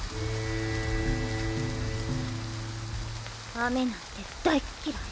雨なんて大っきらい。